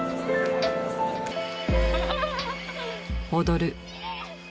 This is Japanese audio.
踊る。